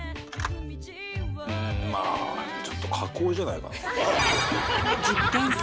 んまぁちょっと加工じゃないかな。